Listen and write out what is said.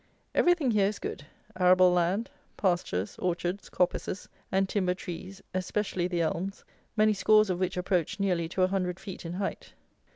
Everything here is good, arable land, pastures, orchards, coppices, and timber trees, especially the elms, many scores of which approach nearly to a hundred feet in height.